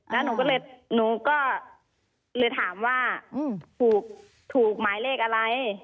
แล้วหนูก็เลยถามว่าถูกถูกหมายเลขอะไร